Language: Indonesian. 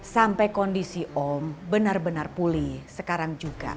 sampai kondisi om benar benar pulih sekarang juga